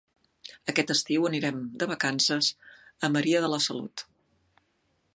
Aquest estiu anirem de vacances a Maria de la Salut.